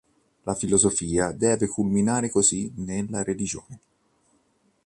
La filosofia deve culminare così nella religione.